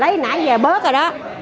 lấy nãy giờ bớt rồi đó